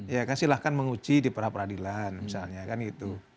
ya silahkan menguji di perapradilan misalnya kan gitu